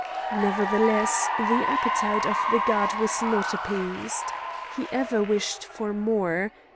Nevertheless, the appetite of the god was not appeased. He ever wished for more.